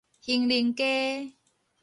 興寧街